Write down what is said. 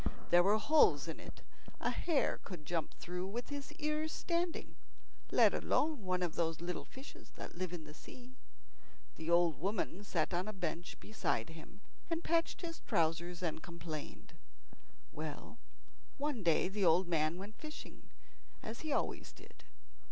There were holes in it a hare could jump through with his ears standing, let alone one of those little fishes that live in the sea. The old woman sat on the bench beside him, and patched his trousers and complained. Well, one day the old man went fishing, as he always did.